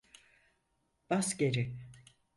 Bas geri!